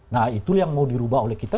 nah itu yang mau dirubah oleh kita